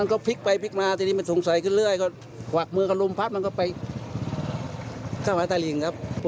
ก็ปรากฏว่าเป็นศีรษะจริง